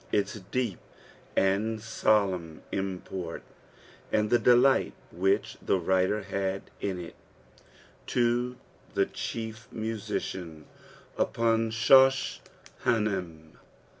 tta dtep and tottmn Impoti, and Ute delight which She lurUrr had in it. To the Chief Musician upon Shosh&imim.